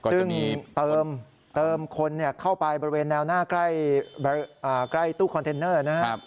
ซึ่งเติมคนเข้าไปบริเวณแนวใกล้ตู้คอนเทนเนอร์